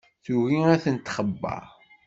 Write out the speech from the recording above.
Tugi ad tent-txebber.